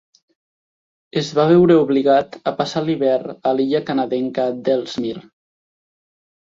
Es va veure obligat a passar l'hivern a l'illa canadenca d'Ellesmere.